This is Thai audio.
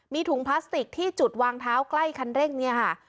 มีถุงพลาสติกที่จุดวางเท้าใกล้คันเร่งเนี่ยค่ะ